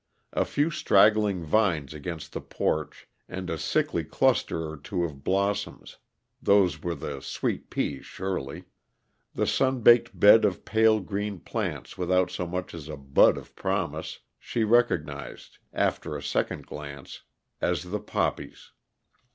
A few straggling vines against the porch, and a sickly cluster or two of blossoms those were the sweet peas, surely. The sun baked bed of pale green plants without so much as a bud of promise, she recognized, after a second glance, as the poppies.